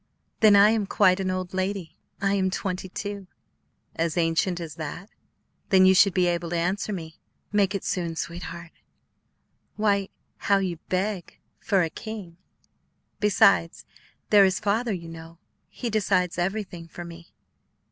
"Then I am quite an old lady; I am twenty two." "As ancient as that? Then you should be able to answer me. Make it soon, sweetheart." "Why, how you beg for a king. Besides, there is Father, you know; he decides everything for me."